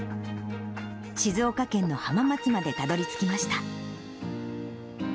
静岡県の浜松までたどりつきました。